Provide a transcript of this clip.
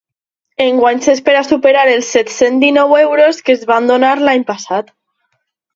Enguany s’espera superar els set-cents dinou euros que es van donar l’any passat.